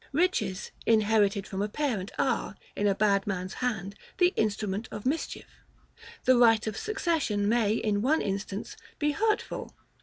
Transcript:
Riches, inherited from a parent, are, in a bad man's hand, the instrument of mischief. The right of succession may, in one instance, be hurtful.